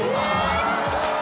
すごーい！